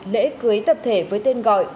lễ cưới tập thể với tên gọi